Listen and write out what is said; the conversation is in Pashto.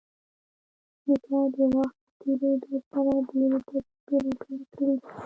نیکه د وخت په تېرېدو سره ډېرې تجربې راټولې کړي دي.